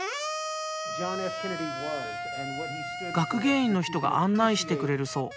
学芸員の人が案内してくれるそう。